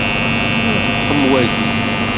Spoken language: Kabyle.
Ṛeqqɛem waki.